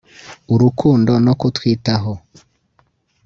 urukundo no kutwitaho